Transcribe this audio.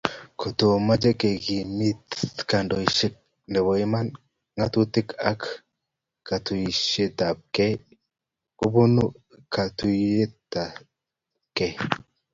Kotochome kekimit kandoiset nebo iman, ngatutik ak katuiyetabkei kobun katuiyosiekabke